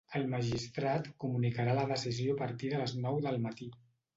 El magistrat comunicarà la decisió a partir de les nou del matí.